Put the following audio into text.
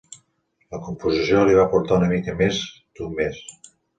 La composició li va portar una mica més d'un mes.